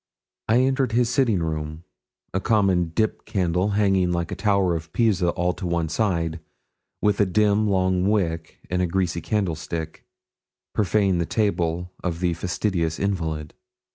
I entered his sitting room; a common 'dip' candle hanging like the tower of Pisa all to one side, with a dim, long wick, in a greasy candlestick, profaned the table of the fastidious invalid.